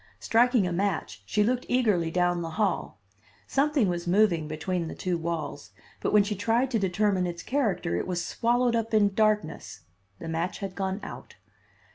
Striking a match, she looked eagerly down the hall. Something was moving between the two walls. But when she tried to determine its character, it was swallowed up in darkness, the match had gone out.